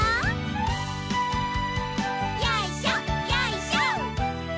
よいしょよいしょ。